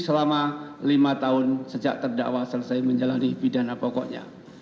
selama lima tahun sejak terdakwa selesai menjalani pidana pokoknya